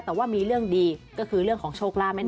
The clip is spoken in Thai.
แต่ว่ามีเรื่องดีก็คือเรื่องของโชคลาภนั่นเอง